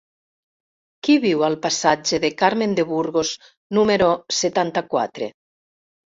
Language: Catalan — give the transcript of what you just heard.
Qui viu al passatge de Carmen de Burgos número setanta-quatre?